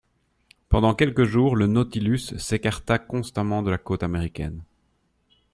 Pendant quelques jours, le Nautilus s'écarta constamment de la côte américaine.